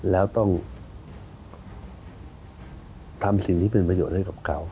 แล้วต้องทำสิ่งที่เป็นประโยชน์ให้กับเขา